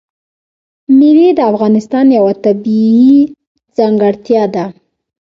مېوې د افغانستان یوه طبیعي ځانګړتیا ده.